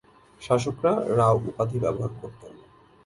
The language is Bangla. শাসকরা "রাও" উপাধি ব্যবহার করতেন।